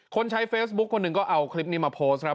ใช้เฟซบุ๊คคนหนึ่งก็เอาคลิปนี้มาโพสต์ครับ